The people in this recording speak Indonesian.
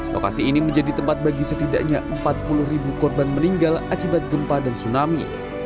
lokasi ini menjadi tempat bagi setidaknya empat puluh ribu korban meninggal akibat gempa dan tsunami